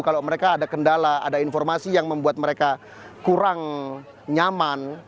kalau mereka ada kendala ada informasi yang membuat mereka kurang nyaman